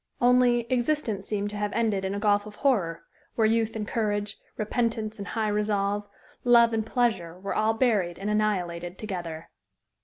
Only, existence seemed to have ended in a gulf of horror, where youth and courage, repentance and high resolve, love and pleasure were all buried and annihilated together.